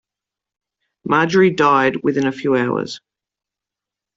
Marjorie died within a few hours.